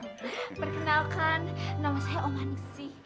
perkenalkan nama saya om manisi